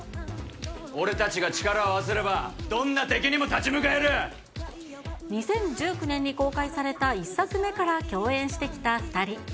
俺たちが力を合わせれば、２０１９年に公開された１作目から共演してきた２人。